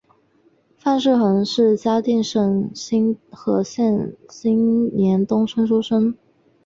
范氏姮是嘉定省新和县新年东村出生。